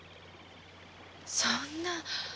そんな！